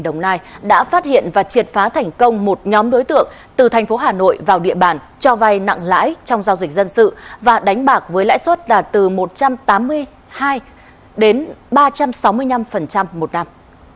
công an huyện nhơn trạch đã phát hiện và triệt phá thành công một nhóm đối tượng từ thành phố hà nội vào địa bàn cho vai nặng lãi trong giao dịch dân sự và đánh bạc với lãi suất là từ một trăm tám mươi hai đến ba trăm sáu mươi năm một năm